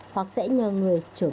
hoặc sẽ không uống rượu